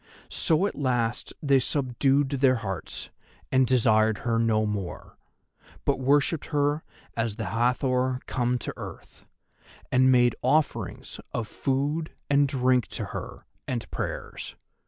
So at last they subdued their hearts, and desired her no more, but worshipped her as the Hathor come to earth, and made offerings of food and drink to her, and prayers.